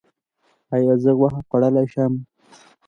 ایا زه غوښه خوړلی شم؟